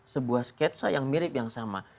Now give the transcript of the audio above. sebuah sketsa yang mirip yang sama